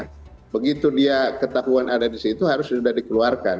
nah begitu dia ketahuan ada di situ harus sudah dikeluarkan